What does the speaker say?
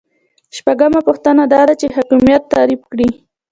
شپږمه پوښتنه دا ده چې حاکمیت تعریف کړئ.